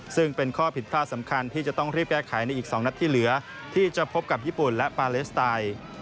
ซึ่งเป็นข้อผิดพลาดสำคัญที่จะต้องรีบแก้ไขในอีก๒นัดที่เหลือที่จะพบกับญี่ปุ่นและปาเลสไตน์